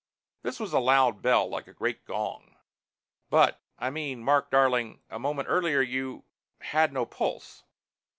"This was a loud bell. Like a great gong." "But I mean, Mark darling a moment earlier you had no pulse."